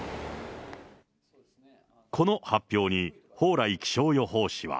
この発表に、蓬莱気象予報士は。